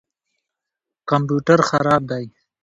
کمپیوټر خراب دی